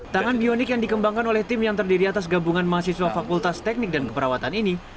tangan bionik yang dikembangkan oleh tim yang terdiri atas gabungan mahasiswa fakultas teknik dan keperawatan ini